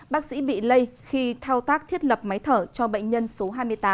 bác sĩ bị lây khi thao tác thiết lập máy thở cho bệnh nhân số hai mươi tám